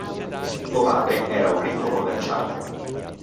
Suo padre era un ricco commerciante.